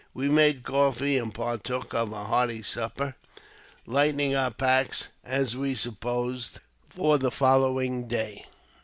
We made coffee, and partook of a hearty supper, lightening our packs, as we supposed, for the following day.